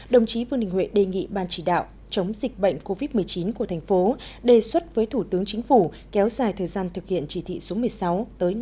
đồng chí vương đình huệ đề nghị ban chỉ đạo chống dịch bệnh covid một mươi chín của thành phố đề xuất với thủ tướng chính phủ kéo dài thời gian thực hiện chỉ thị số một mươi sáu tới ngày ba mươi tháng bốn